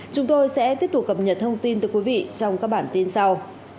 chúng tôi sẽ tiếp tục cập nhật thông tin từ quý vị trong các bản tin sau